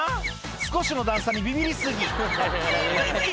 少しの段差にビビり過ぎ「え無理無理！